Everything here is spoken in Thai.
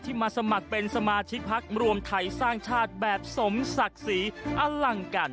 มาสมัครเป็นสมาชิกพักรวมไทยสร้างชาติแบบสมศักดิ์ศรีอลังกัน